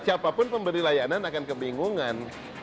siapapun pemberi layanan akan kebingungan